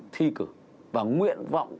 thi cử và nguyện vọng